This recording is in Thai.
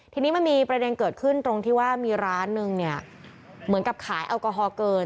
ทีนี้มันมีประเด็นเกิดขึ้นตรงที่ว่ามีร้านนึงเนี่ยเหมือนกับขายแอลกอฮอลเกิน